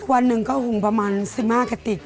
วันหนึ่งก็หุงประมาณสิบห้ากะติด